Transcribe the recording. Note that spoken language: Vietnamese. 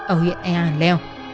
ở huyện ea lèo